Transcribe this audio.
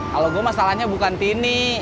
kalau gue masalahnya bukan tini